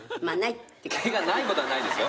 毛がない事はないですよ。